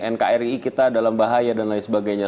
nkri kita dalam bahaya dan lain sebagainya